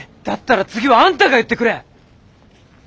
だったら次はあんたが言ってくれ。